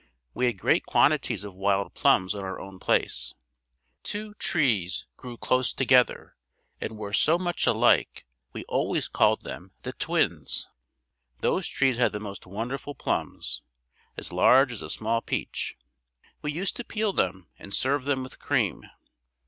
We had great quantities of wild plums on our own place. Two trees grew close together and were so much alike we always called them the twins. Those trees had the most wonderful plums as large as a small peach. We used to peel them and serve them with cream.